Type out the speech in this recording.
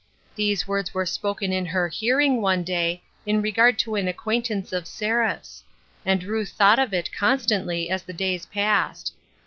Those words were spoken in her hearing, one day, in regard to an acquaint ance of Seraph's ; and Ruth thought of it con stantly as the days passed.